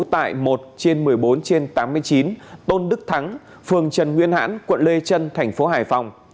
tại một trên một mươi bốn trên tám mươi chín tôn đức thắng phường trần nguyên hãn quận lê trân thành phố hải phòng